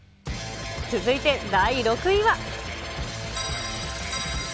続いて第６位は。